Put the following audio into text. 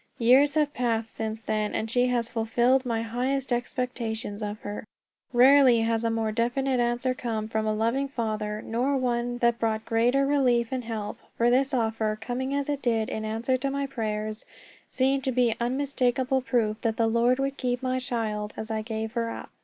Years have passed since then, and she has fulfilled my highest expectations of her. Rarely has a more definite answer come from a loving Father, nor one that brought greater relief and help; for this offer, coming as it did in answer to my prayers, seemed to be unmistakable proof that the Lord would keep my child as I gave her up.